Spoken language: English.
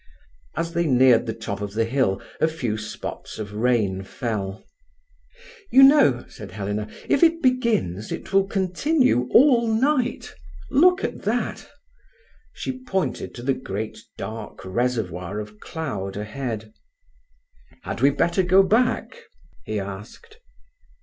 As they neared the top of the hill a few spots of rain fell. "You know," said Helena, "if it begins it will continue all night. Look at that!" She pointed to the great dark reservoir of cloud ahead. "Had we better go back?" he asked.